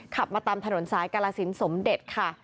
ขับมาตามถนนสายกาลสินสมเด็จค่ะ